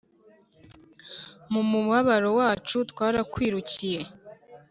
Mu mubabaro wacu twarakwirukiye,